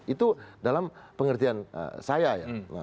itu dalam pengertian saya ya